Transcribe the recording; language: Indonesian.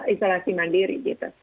isolasi mandiri gitu